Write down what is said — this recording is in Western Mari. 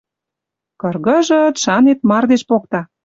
Кыргыжыт, шанет, мардеж покта.